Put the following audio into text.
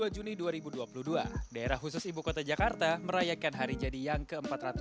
dua puluh juni dua ribu dua puluh dua daerah khusus ibu kota jakarta merayakan hari jadi yang ke empat ratus dua puluh